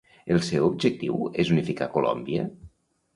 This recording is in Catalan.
El seu objectiu és unificar Colòmbia?